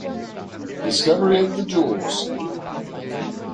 Discovery of the jewels!